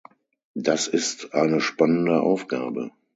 Das ist eine spannende Aufgabe.